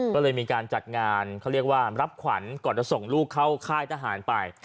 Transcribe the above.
ก็เลยมีการจัดงานเขาเรียกว่ารับขวัญก่อนจะส่งลูกเข้าค่ายทหารไป